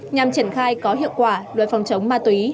nhằm triển khai có hiệu quả đối phòng chống ma túy hai nghìn hai mươi một